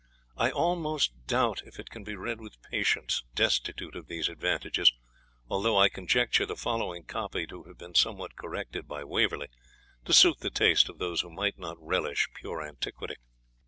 I almost doubt if it can be read with patience, destitute of these advantages, although I conjecture the following copy to have been somewhat corrected by Waverley, to suit the taste of those who might not relish pure antiquity.